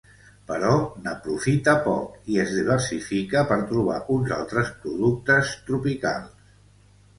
Però n'aprofita poc i es diversifica per trobar uns altres productes tropicals.